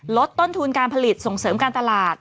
ลดต้นทุนการผลิตส่งเสริมการตลาด